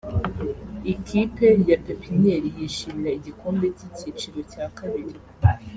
Ikipe ya Pepiniere yishimira igikombe cy'icyiciro cya kabiri